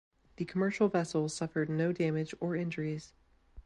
The commercial vessel suffered no damage or injuries.